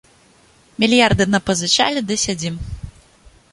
Мільярды напазычалі ды сядзім.